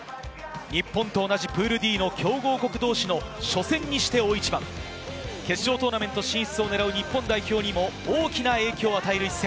日本と同じプールＤの強豪国同士の初戦にして大一番、決勝トーナメント進出を狙う日本代表にも大きな影響を与える一戦。